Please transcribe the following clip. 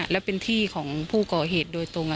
และเป็นที่ของผู้ก่อเหตุโดยตรง